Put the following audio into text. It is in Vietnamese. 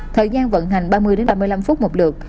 thời gian vận hành ba mươi ba mươi năm phút một lượt